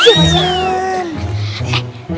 terus aku positinya lah